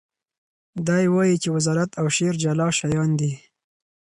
دی وایي چې وزارت او شعر جلا شیان دي.